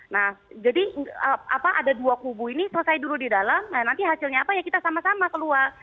nah jadi ada dua kubu ini selesai dulu di dalam nah nanti hasilnya apa ya kita sama sama keluar